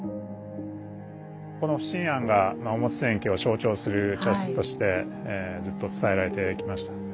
この不審菴が表千家を象徴する茶室としてずっと伝えられてきました。